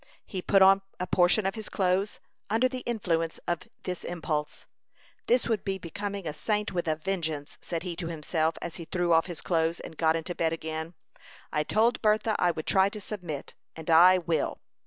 He put on a portion of his clothes, under the influence of this impulse. "This would be becoming a saint with a vengeance!" said he to himself, as he threw off his clothes, and got into bed again. "I told Bertha I would try to submit, and I will."